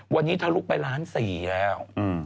วันนี้ทะลุไปล้าน๔แล้ว